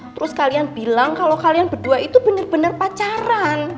terus kalian bilang kalau kalian berdua itu benar benar pacaran